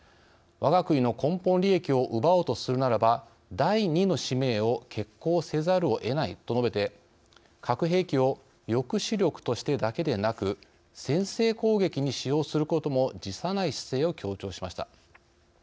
わが国の根本利益を奪おうとするならば第２の使命を決行せざるをえない」と述べて核兵器を抑止力としてだけでなく先制攻撃に使用することも辞さない姿勢を強調しました。